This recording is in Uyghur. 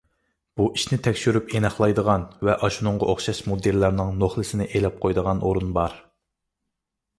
بۇ ئىشنى تەكشۈرۈپ ئېنىقلايدىغان ۋە ئاشۇنىڭغا ئوخشاش مۇدىرلارنىڭ نوخلىسىنى ئېلىپ قويىدىغان ئورۇن بار.